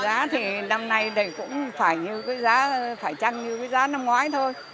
giá thì năm nay cũng phải như cái giá phải chăng như cái giá năm ngoái thôi